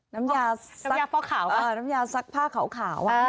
น้ำยาซักผ้าขาวว่ะ